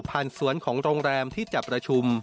สวนของโรงแรมที่จัดประชุม